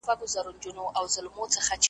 که ښکا ري هر څومره خپل سي نه دوستیړي .